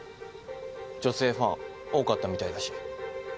女性ファン多かったみたいだし。